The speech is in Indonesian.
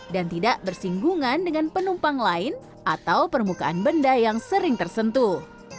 dan tidak bersinggungan dengan penumpang lain atau permukaan benda yang sering tersentuh